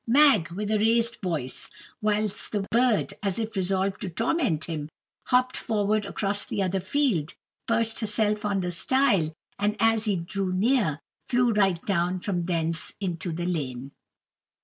Mag!" with a raised voice, whilst the bird, as if resolved to torment him, hopped forward across the other field, perched herself on the stile, and, as he drew near, flew right down from thence into the lane.